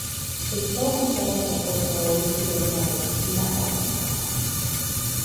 Está ubicada en la costa oeste del mar de China Oriental.